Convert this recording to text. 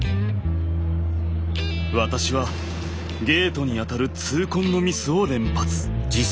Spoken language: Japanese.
私はゲートに当たる痛恨のミスを連発。